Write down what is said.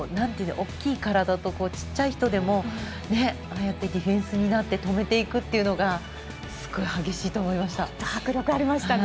大きい体と小さい人でもああやってディフェンスになって止めていくっていうのがすごい激しいと思いました。